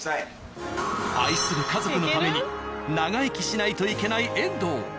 愛する家族のために長生きしないといけない遠藤。